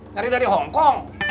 nyari dari hongkong